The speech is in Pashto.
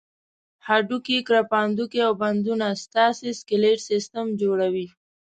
هډوکي، کرپندوکي او بندونه ستاسې سکلېټ سیستم جوړوي.